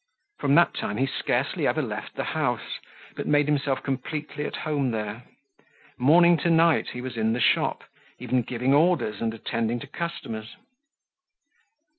From that time he scarcely ever left the house, but made himself completely at home there. Morning to night he was in the shop, even giving orders and attending to customers.